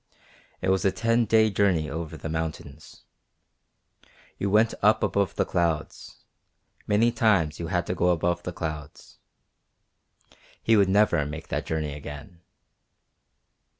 It was a ten day journey over the mountains. You went up above the clouds many times you had to go above the clouds. He would never make the journey again.